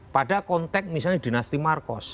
pada konteks misalnya dinasti marcos